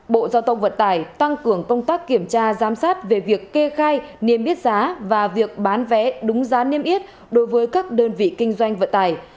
bộ giao thông vận tải tăng cường công tác kiểm tra giám sát về việc kê khai niêm yết giá và việc bán vé đúng giá niêm yết đối với các đơn vị kinh doanh vận tài